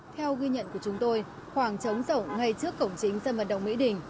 theo ghi nhận của chúng tôi khoảng trống rậu ngay trước cổng chính sân vận động mỹ đình